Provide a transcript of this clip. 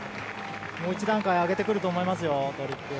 もう１段階上げてくると思いますよ。